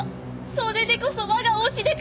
それでこそ我が推しデカ！